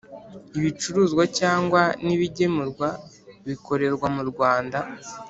ibicuruzwa cyangwa n’ibigemurwa bikorerwa mu Rwanda.